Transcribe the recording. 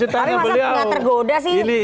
tapi masa punya tergoda sih